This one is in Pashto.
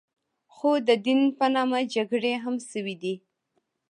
خو د دین په نامه جګړې هم شوې دي.